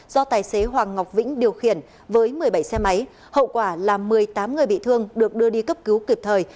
do tài xế hoàng ngọc vĩnh điều khiển với một mươi bảy xe máy hậu quả là một mươi tám người bị thương được đưa đi cấp cứu kịp thời